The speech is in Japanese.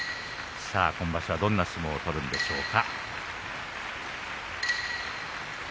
今場所はどんな相撲を取るんでしょうか。